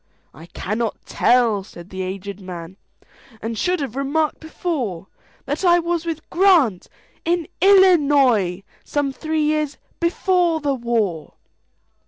"I cannot tell," said the aged man,"And should have remarked before, That I was with Grant,—in Illinois,—Some three years before the war."